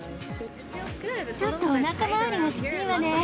ちょっとおなか回りがきついわね。